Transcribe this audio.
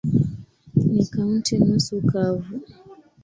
Ni kaunti nusu kavu.